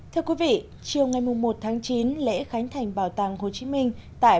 thưa quý vị chiều ngày một tháng chín lễ khánh thành bảo tàng hồ chí minh tại